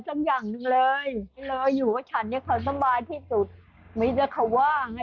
สักอย่างเลยอยู่ฉันเนี่ยเขาสบายที่สุดไม่จะเขาว่างอ่ะ